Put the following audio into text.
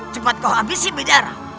cepat kau habisi benda air